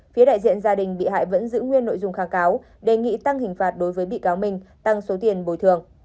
phía đại diện gia đình bị hại vẫn giữ nguyên nội dung kháng cáo đề nghị tăng hình phạt đối với bị cáo minh tăng số tiền bồi thường